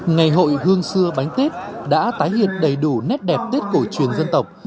ngày hội hương xưa bánh tết đã tái hiện đầy đủ nét đẹp tết cổ truyền dân tộc